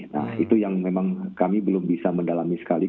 nah itu yang memang kami belum bisa mendalami sekali